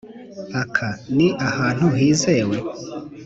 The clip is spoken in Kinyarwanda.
aka ni ahantu hizewe?